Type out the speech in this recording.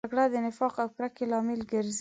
جګړه د نفاق او کرکې لامل ګرځي